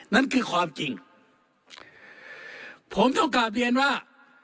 นั่นคือความจริงผมต้องกลับเรียนว่า